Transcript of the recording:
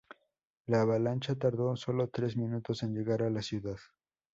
La avalancha tardó solo tres minutos en llegar a la ciudad.